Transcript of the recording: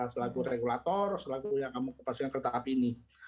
selagu regulator selagu yang mengoperasikan kereta api ini